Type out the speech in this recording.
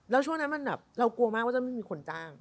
แล้วช่วงนั้นมันแบบเรากลัวมากว่าจะไม่มีคนจ้าง